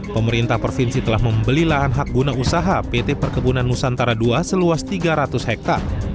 pemerintah provinsi telah membeli lahan hak guna usaha pt perkebunan nusantara ii seluas tiga ratus hektare